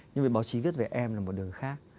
nhưng với báo chí viết về em là một đường khác